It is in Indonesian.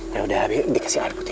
yaudah habis dikasih air putih